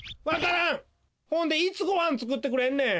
ほんでいつごはんつくってくれんねん！